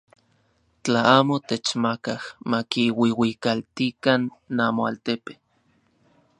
Tla amo techmakaj, makiuiuikaltikan namoaltepe.